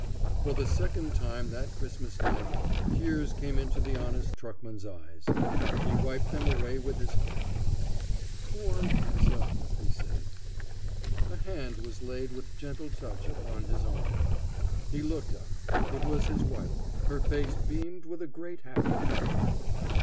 For the second time that Christmas night tears came into the honest truckman's eyes. He wiped them away with his cap. "Poor 'Liza!" he said. A hand was laid with gentle touch upon his arm. He looked up. It was his wife. Her face beamed with a great happiness.